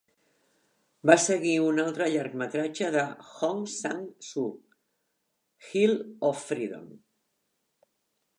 Va seguir un altre llargmetratge de Hong Sang-soo, "Hill of Freedom".